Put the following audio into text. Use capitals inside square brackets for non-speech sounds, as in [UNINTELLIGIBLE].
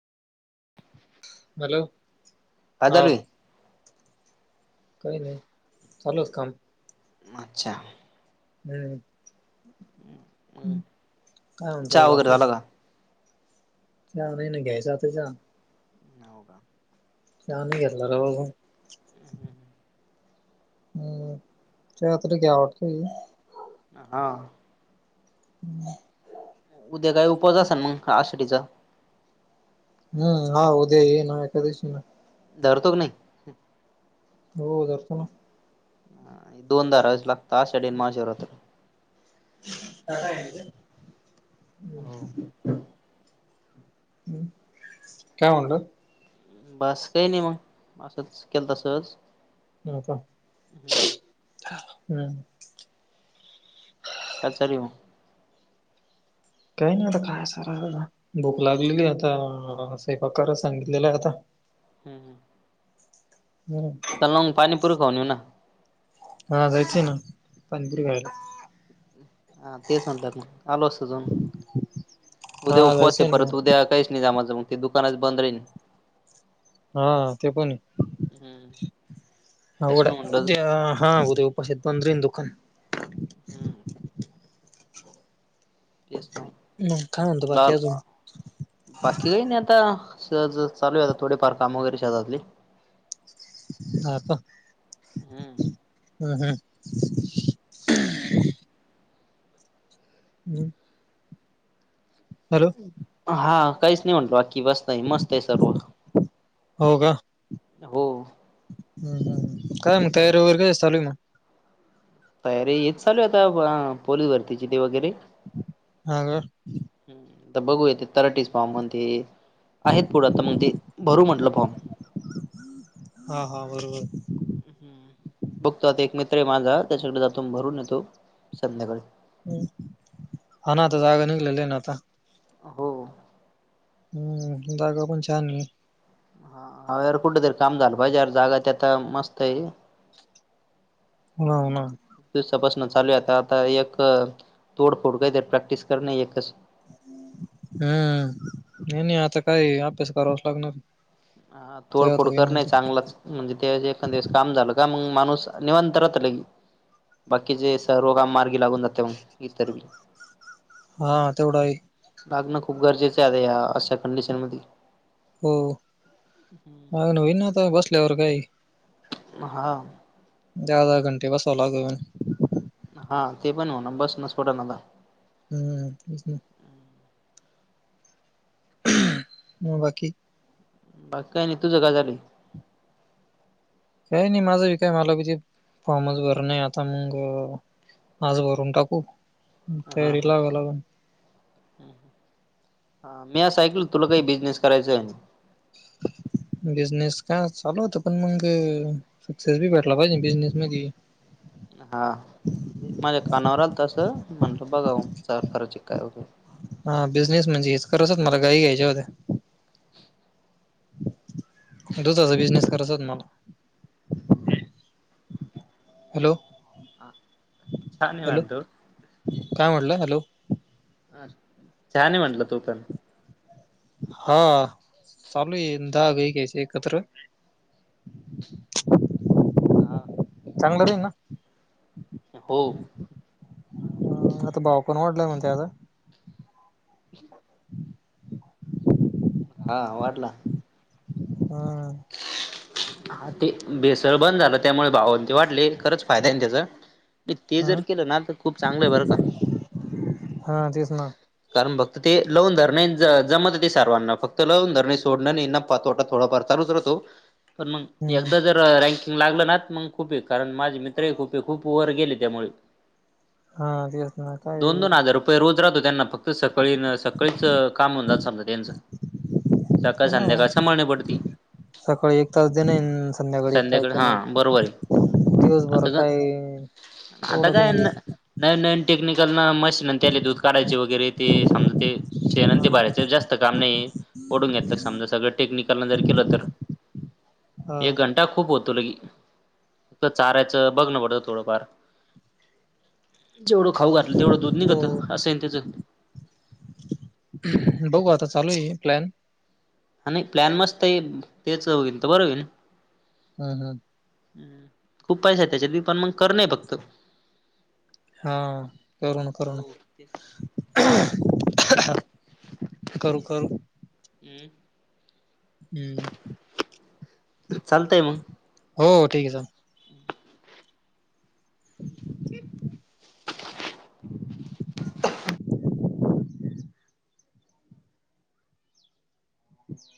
Hello, काय हा. चालू आहे? काई नी, चालूच काम. अच्छा. हम्म. अं काय चहा म्हणतो वगैरे बाकी झाला का? चहा नई न घ्यायचा त्याचा. हाव का. च्या नई घेतला राव. हम्म, च्या तरी घ्याव वाटतोय. हा. हम्म. उद्या काय उपवास असंन मंग आषाढीचा? हम्म, हा उद्या ये ना एकादशी ना. धरतो का नई? हो धरतो न. हं हे दोन धरावेच लागता आषाढी आण महाशीवरात्र. [UNINTELLIGIBLE] काय म्हणलं? बस काई नी मंग, असंच केलंता सहज. हो का, हम्म. काय चालुय मंग? काय नी आता, काय सारा भूक लागलेली आता सैपाक करा सांगितलेलंय आता. हं हं. हम्म. चला मंग पाणीपुरी खाऊन येऊ ना. हा जायचंय ना, पनीपुरी खायला. हा तेच म्हटलंत ना, आलो असतो जाऊन. उद्या हा उपवासे जायचंय ना परत, मग उद्या काईच नी जमायचं, मंग ते दुकानच बंद राईन. हा ते पणे. हम्म. हाव गड्या, उद्या हा उद्या उपासेत बंद रईन दुकान. हम्म. ‌ तेच ना, मग काय म्हणतो बाकी मंदाल अजून बाकी काई नी आता, सहजच चालूये आता थोडेफार काम वगैरे शेतातली. हा का, हम् हम्‌. हम्म. हॅलो. हा काईच नई म्हंटलं बाकी मस्तय मस्तय सर्व. हो. हम् हम् काय मग तयारी वगैर काय चालूय मग. तयारी हे चालू आहे आता पोलीस भरतीची ते वगैरे. हा का. तर बघूया तेे तराटीस भाव म्हण ते, आहेत पुढं आता मग तेऽ भरू म्हटलं फॉर्म. हा हा बरोबर. ह् बघतो एक मित्र आहे माझा, त्याच्याकडे जातो आणि भरून येतो संध्याकाळी. हम्म, हा ना आता जागा निघलेले आहे ना आता. हो हो. हम्म, जागा पण छान आहे. ह हर कुठेतरी काम झालं पाहिजे यार, जागा त्या आता मस्त आहे. हाव ना. दिवसा पासन चालू आहे आता, आता एक तोडफोड काहीतर प्रॅक्टिस करणे एकच. हम्म, नाही नाही आता काही अभ्यास करावाच लागणार. हा, तेव्हा तर तोडफोड होईन मग करने ते चांगलाच. म्हणजे त्या एखंद दिवस काम झालं का मग माणूस निवांत राहत लगेच बाकीचे सर्व काम मार्गी लागून जाते मग लगेच इतर हा तेवढं आहे. लागणं गरजेचं आहे आता या अशा कंडिशन मध्ये. हो माग न होई ना आता बसल्यावर काही. हा.... ज्यादा घंटे बसाव लागलं. हा ते पण हो ना बस न स्फोटा नता. हम्म तेच ना ह बाकी... बाकी काय नाही तुझं काय चालल आहे. काही नाही माझं मला कि फॉर्मच भरं आता मग. आज भरून टाकू. हा तयारी ह... लावा लागून मी असं ऐकलं तुला काही बिझनेस करायच आहे. [INAUDIBLE] बिझनेस काय चालू होत पण मग सक्सेस बी भेटला पाहिजे बिझनेस मध्ये. हा..... माझ्या कानावर आलतं असं म्हटलं बघाव खरच काय वगैेरे. हा बिझनेस म्हणजे हेच करतात मला गाई घ्यायच्या होत्या. दुधाचा बिझनेस करायचा होत मला. हॅलो ह छान आहे हॅलो वाटत. काय म्हटलं हॅलो... अ छान आहे म्हटलं तू पण. हा चालू आहे दहा गाई घ्यायच्या एकत्र. हा... चांगलं दे ना हो..... ह आता भाव पण वाढलाय म्हणते आता. हा वाढला. हा...... ते भेसळ बंद झालं त्यामुळे भावंती वाडले खरंच फायदा आहे ना त्याचा. ते ह जर केलं ना तर खूप चांगलं आहे बरं का. हा तेच ना कारण फक्त ते लवून धरणे ज जमत ते सर्वांना, फक्त लवून धरणे सोडणं नाही ना नाफा तोटा थोडफार चालुच राहतो पण मंग हम् हम् एकदा जर रँकिंग लागलं ना मंग. खूपे कारण माझे मित्रही खूपे खूप वर गेले त्यामुळे. हा तेच ना दोन दोन काये हजार रोज राहतो त्यांना फक्त सकाळी न सकाळीच [UNINTELLIGIBLE] समजा त्यांचा. सकाळ हा संध्याकाळ समाण्या पडती. सकाळी एक तास दे नाही संध्याकाळी एक तास संध्याकाळ दे हा नाही. बरोबर आहे दिवसभर आता ग काय आता एवढं काय गुंगी न असती. नवीन नवीन टेक्निकलनं मशीन त्याले दूध काढायचे वगैरे ते समजा ते शेनन हा ते भरायचं जास्त काम नाही ओढून घेतलं समजा सगळं टेक्निकल जर के तर हा एक घं टा खूप होतो लगे चाारायचं बघ न पडत थोडंफार. जेवढं खाऊ घातलं तेवढं दूध हो निघतं हो असंय त्यांचं. बघू आता चालूय प्लॅन. आणि नाही प्लॅन मस्तय, तेच होईन तर बर होईल हं हं. खूप पैसा त्याच्यात, मी पण मग कर नाही फक्त. हा, करू ना करु ना. हो तेच करू, करू. हम्. हम्म. चालतय मग. हो ठीक आहे चालतय. [INAUDIBLE]